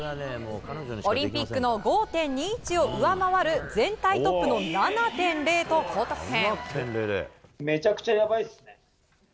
オリンピックの５．２１を上回る全体トップの７．０と高得点。